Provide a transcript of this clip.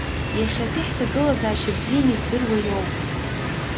Иахьатәи ҳҭагылазаашьа бзианы издыруа иоуп.